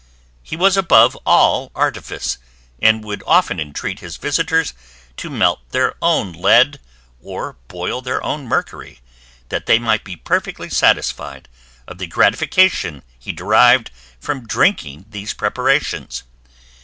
He was above all artifice, and would often entreat his visitors to melt their own lead, or boil their own mercury, that they might be perfectly satisfied of the gratification he derived from drinking these preparations.